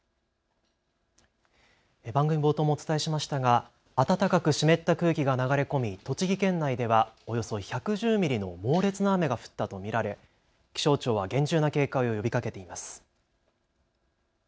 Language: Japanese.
番組冒頭もお伝えしましたが暖かく湿った空気が流れ込み栃木県内ではおよそ１１０ミリの猛烈な雨が降ったと見られ気象庁は厳重な警戒を呼びかけています。